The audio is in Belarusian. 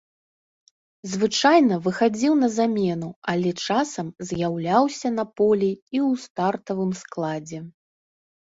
Звычайна выхадзіў на замену, але часам з'яўляўся на полі і ў стартавым складзе.